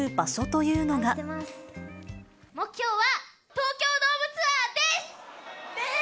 目標は、東京ドームツアーでです！